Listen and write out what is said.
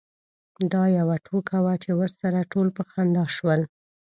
دا یوه ټوکه وه چې ورسره ټول په خندا شول.